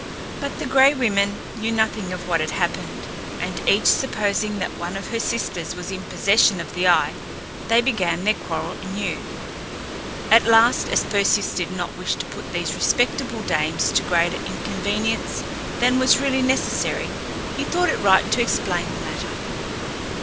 But the Gray Women knew nothing of what had happened, and each supposing that one of her sisters was in possession of the eye, they began their quarrel anew. At last, as Perseus did not wish to put these respectable dames to greater inconvenience than was really necessary, he thought it right to explain the matter.